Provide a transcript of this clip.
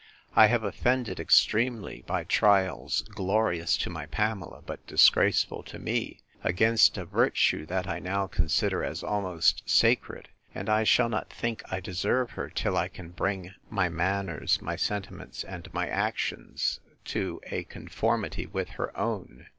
I have offended extremely, by trials glorious to my Pamela, but disgraceful to me, against a virtue that I now consider as almost sacred; and I shall not think I deserve her, till I can bring my manners, my sentiments, and my actions, to a conformity with her own.